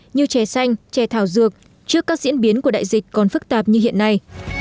như tre xanh tre thảo dược trước các diễn biến của đại dịch còn phức tạp như hiện nay